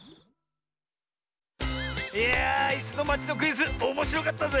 いや「いすのまち」のクイズおもしろかったぜ。